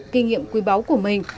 kinh nghiệm quý báu của mình